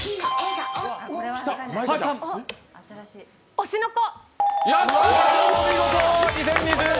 「推しの子」。